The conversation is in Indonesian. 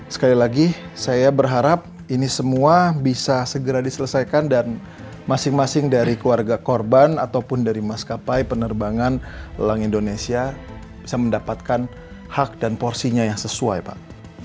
sekali lagi saya berharap ini semua bisa segera diselesaikan dan masing masing dari keluarga korban ataupun dari maskapai penerbangan lang indonesia bisa mendapatkan hak dan porsinya yang sesuai pak